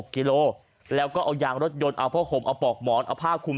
กิโลแล้วก็เอายางรถยนต์เอาผ้าห่มเอาปอกหมอนเอาผ้าคุม